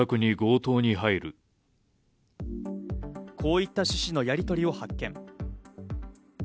こういった趣旨のやりとりを発見。